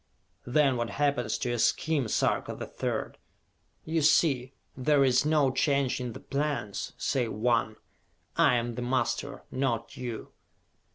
Then what happens to your scheme, Sarka the Third? You see, there is no change in the plans, save one: I am the master, not you!"